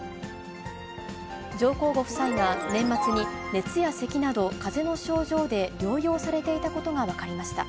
上皇ご夫妻が、年末に熱やせきなどかぜの症状で療養されていたことが分かりました。